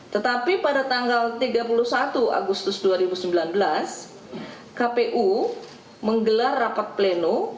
tetapi pada tanggal tiga puluh satu agustus dua ribu sembilan belas kpu menggelar rapat pleno